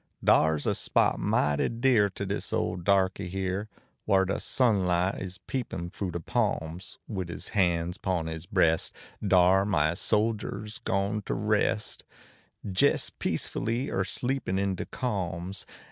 52 DE BUGLE OX DE HILL Dar s a spot mighty dear to dis ole darky here, Whar de sunlight is peepin froo de palms, Wid his hands pon his breast, dar my soldier s gone to rest, Jes peacefully er sleepin in de calms.